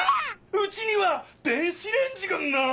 うちには電子レンジがない！